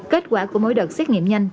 kết quả của mỗi đợt xét nghiệm nhanh